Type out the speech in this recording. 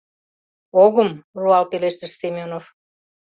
— Огым! — руал пелештыш Семёнов.